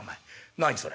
何それ」。